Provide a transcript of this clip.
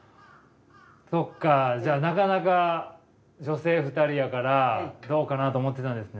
そっかじゃあなかなか女性２人やからどうかなと思ってたんですね。